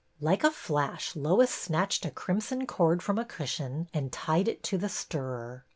'' Like a flash Lois snatched a crimson cord from a cushion and tied it to the stirrer.